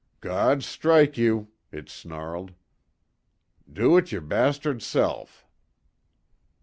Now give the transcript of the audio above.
"God strike you!" it snarled, "do it your b self."